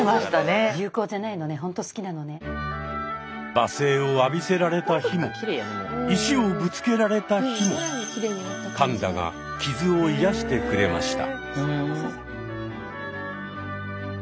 罵声を浴びせられた日も石をぶつけられた日もパンダが傷を癒やしてくれました。